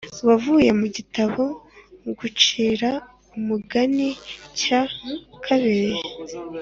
wavuye mu gitabo Ngucire Umugani cya kabiri